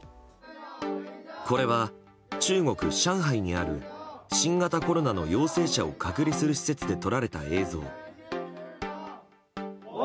これは中国・上海にある新型コロナの陽性者を隔離する施設で撮られた映像。